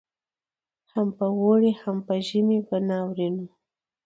هم په اوړي هم په ژمي به ناورین وو